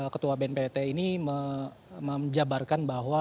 ketua bnpt ini menjabarkan bahwa